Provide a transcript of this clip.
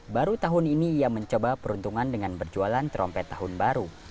baru tahun ini ia mencoba peruntungan dengan berjualan trompet tahun baru